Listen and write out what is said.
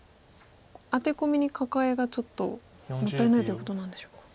アテコミにカカエがちょっともったいないっていうことなんでしょうか。